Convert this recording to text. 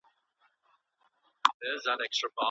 ښوونیز پلانونه باید انعطاف منونکي وي.